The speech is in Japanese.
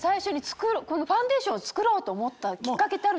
このファンデーションを作ろうと思ったきっかけってあるんですか？